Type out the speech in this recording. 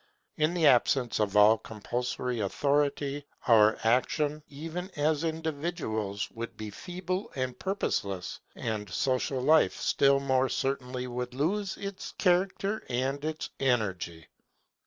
In the absence of all compulsory authority, our action even as individuals would be feeble and purposeless, and social life still more certainly would lose its character and its energy.